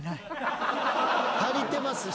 足りてますし。